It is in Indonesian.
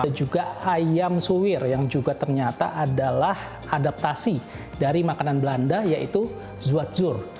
dan juga ayam suwir yang juga ternyata adalah adaptasi dari makanan belanda yaitu zwadzur